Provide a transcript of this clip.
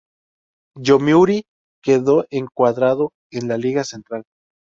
Yomiuri quedó encuadrado en la Liga Central.